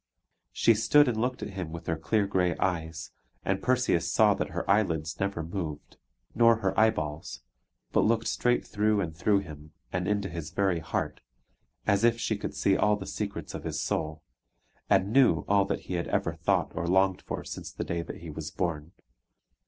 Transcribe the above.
She stood and looked at him with her clear grey eyes; and Perseus saw that her eyelids never moved, nor her eyeballs, but looked straight through and through him, and into his very heart, as if she could see all the secrets of his soul, and knew all that he had ever thought or longed for since the day that he was born.